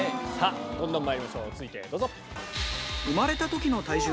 どんどんまいりましょう続いてどうぞ！